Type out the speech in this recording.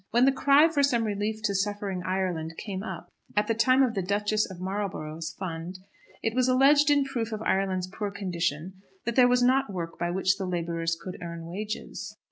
When the cry for some relief to suffering Ireland came up, at the time of the Duchess of Marlborough's Fund, it was alleged in proof of Ireland's poor condition that there was not work by which the labourers could earn wages.